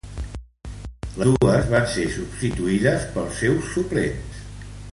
Les dos van ser substituïdes pels seus suplents.